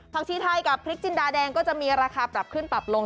ชีไทยกับพริกจินดาแดงก็จะมีราคาปรับขึ้นปรับลง